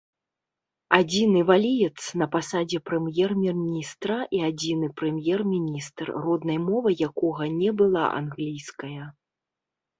Адзіны валіец на пасадзе прэм'ер-міністра і адзіны прэм'ер-міністр, роднай мовай якога не была англійская.